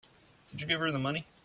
Did you give her the money?